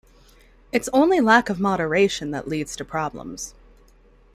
It's only lack of moderation that leads to problems.